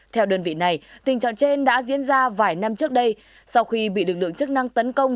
theo đơn vị này tình trạng trên đã diễn ra vài năm trước đây sau khi bị lực lượng chức năng tấn công